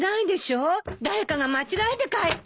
誰かが間違えて帰ったのよ。